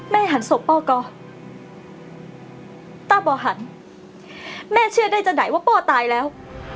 แม่หันศพป่าก็ต้าป่าหันแม่เชื่อได้จังไหนว่าป่าตายแล้ว